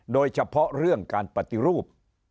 โดยเฉพาะเรื่องการปฏิรูป